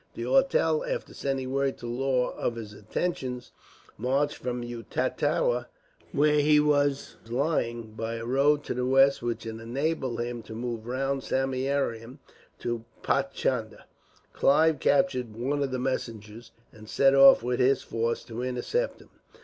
D'Auteuil, after sending word to Law of his intentions, marched from Utatua, where he was lying, by a road to the west which would enable him to move round Samieaveram to Paichandah. Clive captured one of the messengers, and set off with his force to intercept him.